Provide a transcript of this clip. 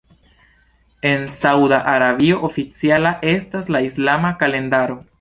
En Sauda Arabio oficiala estas la islama kalendaro.